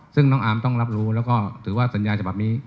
ซึ่งน้องอาร์มต้องรับรู้แล้วก็ถือว่าสัญญาฉบับนี้